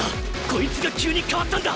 こいつが急に変わったんだ！